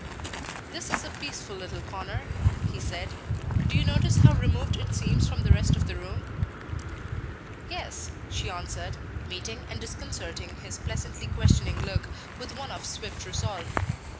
"This is a peaceful little corner," he said. "Do you notice how removed it seems from the rest of the room?" "Yes," she answered, meeting and disconcerting his pleasantly questioning look with one of swift resolve.